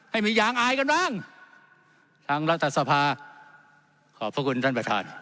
ให้มียางอายกันบ้างทางรัฐสภาขอบพระคุณท่านประธาน